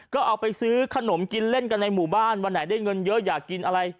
ก็เอาไปซื้อขนมกินเล่นกันในหมู่บ้านวันไหนได้เงินเยอะอยากกินอะไร